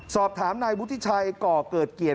สอบถามนายวุฒิชัยก่อเกิดเกียรติ